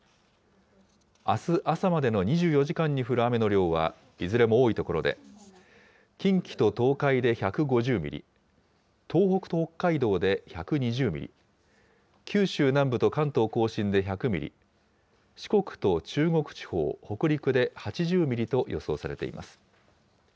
あす朝までの２４時間に降る雨の量はいずれも多い所で、近畿と東海で１５０ミリ、東北と北海道で１２０ミリ、九州南部と関東甲信で１００ミリ、四国と中国地方、北陸で８０ミリと予想されています。